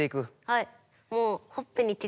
はい。